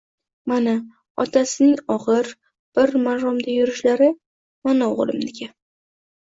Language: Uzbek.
Mana, otasining og`ir, bir maromda yurishlari, mana o`g`limniki